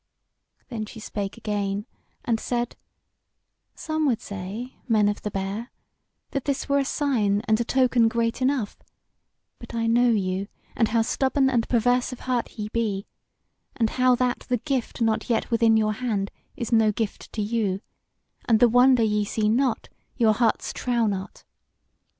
Then she spake again and said: "Some would say, men of the Bear, that this were a sign and a token great enough; but I know you, and how stubborn and perverse of heart ye be; and how that the gift not yet within your hand is no gift to you; and the wonder ye see not, your hearts trow not.